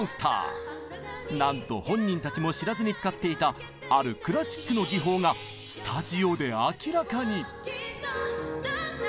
なんと本人たちも知らずに使っていたあるクラシックの技法がスタジオで明らかに！